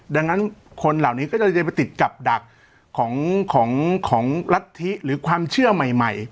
ดังนั้นคนเหล่านี้ก็จะไปติดกับดักของรัฐธิหรือความเชื่อใหม่